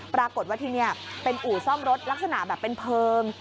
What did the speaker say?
ปรากฏว่าที่นี่เป็นอู่ซ่อมรถลักษณะแบบเป็นเพลิง